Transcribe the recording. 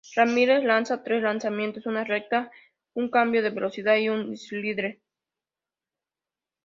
Ramírez lanza tres lanzamientos: una recta, un cambio de velocidad, y un slider.